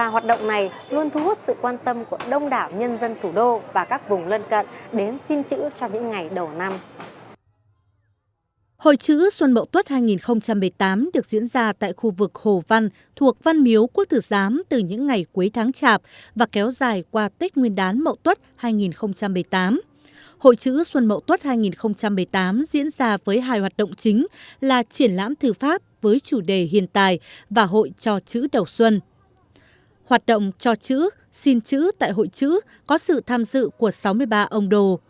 hoạt động cho chữ xin chữ tại hội chữ có sự tham dự của sáu mươi ba ông đồ